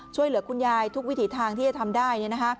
ช่วยเหลือคุณยายทุกวิถีทางที่จะทำได้